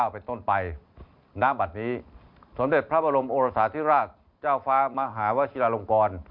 เป็นต้นไปณบัตรนี้สมเด็จพระบรมโอรสาธิราชเจ้าฟ้ามหาวชิลาลงกร